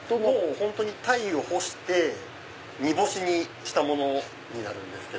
本当に鯛を干して煮干しにしたものになるんです。